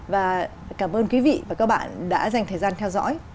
và cảm ơn quý vị và các bạn đã dành thời gian theo dõi